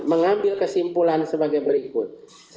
mengambil kesimpulan sebagai berikut